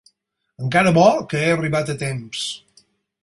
Encara bo que he arribat a temps.